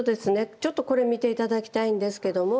ちょっとこれ見て頂きたいんですけども。